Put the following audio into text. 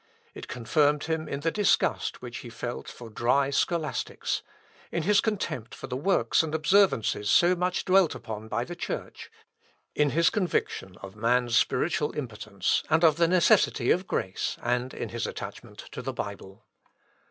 It confirmed him in the disgust which he felt for dry scholastics in his contempt for the works and observances so much dwelt upon by the Church in his conviction of man's spiritual impotence, and of the necessity of grace, and in his attachment to the Bible.